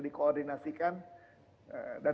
di koordinasikan dan